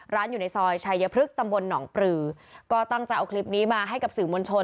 อยู่ในซอยชายพฤกษตำบลหนองปลือก็ตั้งใจเอาคลิปนี้มาให้กับสื่อมวลชน